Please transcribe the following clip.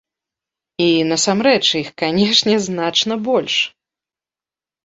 І, насамрэч, іх, канешне, значна больш.